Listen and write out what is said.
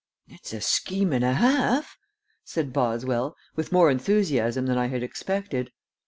"It's a scheme and a half," said Boswell, with more enthusiasm than I had expected.